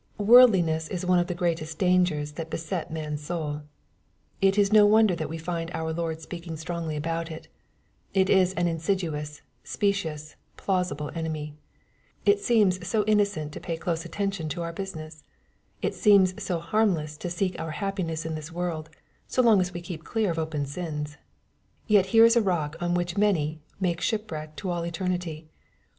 Worldlinesa is one of the greatest dangers that beset man's souL It is no wonder that we find our Lord speaking strongly about it. It is an insidious, specious, plausible enemy. It seems so innocent to pay close attention to our business 1 It seems so harmless to seek our happiness in this world, so long as we keep clear of open sins ! Yet here is a rock on which many make shipwreck to all eternity.